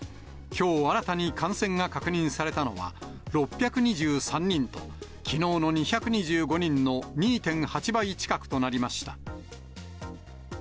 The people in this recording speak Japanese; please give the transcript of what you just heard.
きょう新たに感染が確認されたのは６２３人と、きのうの２２５人の２．８倍近くとなりました。